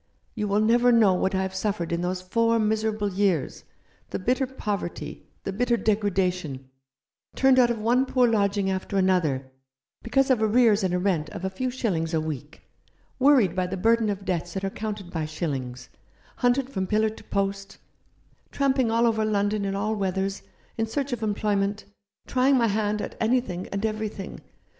You will never know what I have suffered in those four miserable years ; the bitter poverty ; the bitter degradation ; turned out of one poor lodging after another, because of arrears in a rent of a few shillings a week ; worried by the burden of debts that are counted by shillings ; hunted from pillar to post ; tramping all over London in all weathers, in search of employment ; trying my hand at anything and everything.